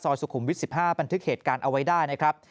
สุขุมวิท๑๕บันทึกเหตุการณ์เอาไว้ได้นะครับ